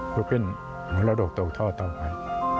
ทุกข์ขึ้นหลวงระดกโต๊ะต่อไป